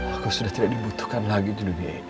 aku sudah tidak dibutuhkan lagi di dunia ini